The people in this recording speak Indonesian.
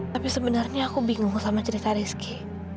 tapi sebenarnya aku bingung sama cerita rizky